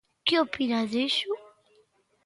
Que opina diso?